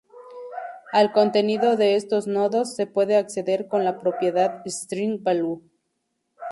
Al contenido de estos nodos se puede acceder con la propiedad "string-value".